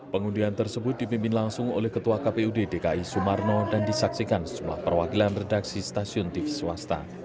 pengundian tersebut dipimpin langsung oleh ketua kpud dki sumarno dan disaksikan sejumlah perwakilan redaksi stasiun tv swasta